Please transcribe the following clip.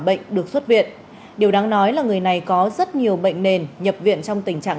bệnh được xuất viện điều đáng nói là người này có rất nhiều bệnh nền nhập viện trong tình trạng